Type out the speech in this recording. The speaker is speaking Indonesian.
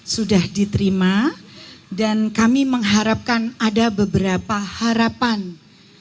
sudah diterima dan kami mengharapkan ada beberapa harapan yang akan diberikan kepada bapak presiden